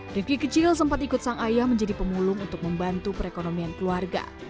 ricky kecil sempat ikut sang ayah menjadi pemulung untuk membantu perekonomian keluarga